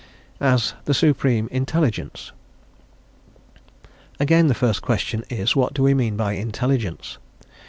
As the Supreme Intelligence. Again, the first question is, what do we mean by intelligence?